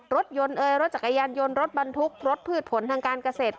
รถยนต์เอ่ยรถจักรยานยนต์รถบรรทุกรถพืชผลทางการเกษตร